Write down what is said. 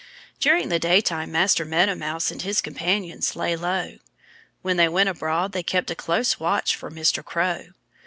During the daytime Master Meadow Mouse and his companions lay low. When they went abroad they kept a close watch for Mr. Crow.